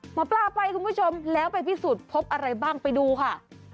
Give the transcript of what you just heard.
หมอปลาไปคุณผู้ชมแล้วไปพิสูจน์พบอะไรบ้างไปดูค่ะ